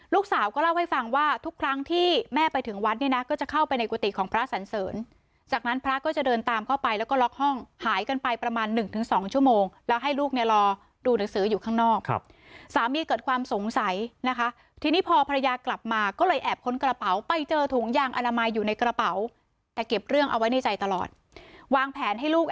ลูกสาวก็เล่าให้ฟังว่าทุกครั้งที่แม่ไปถึงวัดเนี่ยนะก็จะเข้าไปในกุฏิของพระสันเสริญจากนั้นพระก็จะเดินตามเข้าไปแล้วก็ล็อกห้องหายกันไปประมาณหนึ่งถึงสองชั่วโมงแล้วให้ลูกเนี่ยรอดูหนังสืออยู่ข้างนอกสามีเกิดความสงสัยนะคะทีนี้พอภรรยากลับมาก็เลยแอบค้นกระเป๋าไปเจอถุงยางอนามัยอยู่ในกระเป๋าแต่เก็บเรื่องเอาไว้ในใจตลอดวางแผนให้ลูก